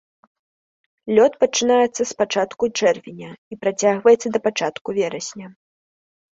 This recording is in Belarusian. Лёт пачынаецца з пачатку чэрвеня і працягваецца да пачатку верасня.